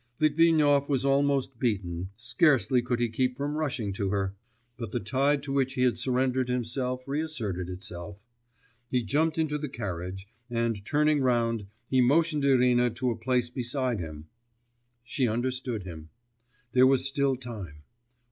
Litvinov was almost beaten, scarcely could he keep from rushing to her.... But the tide to which he had surrendered himself reasserted itself.... He jumped into the carriage, and turning round, he motioned Irina to a place beside him. She understood him. There was still time.